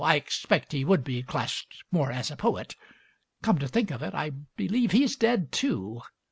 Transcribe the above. I expect he would be classed more as a poet. Come to think of it, I believe he's dead, too.